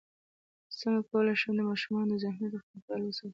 څنګه کولی شم د ماشومانو د ذهني روغتیا خیال وساتم